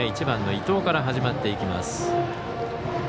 １番の伊藤から始まっていきます。